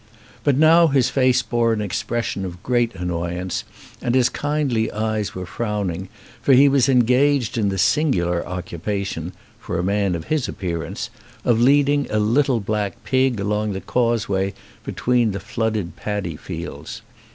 But now his face bore an expression of great an noyance and his kindly eyes were frowning, for he was engaged in the singular occupation (for a man of his appearance) of leading a little black pig along the causeway between the flooded padi fields.